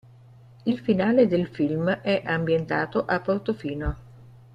Il finale del film è ambientato a Portofino.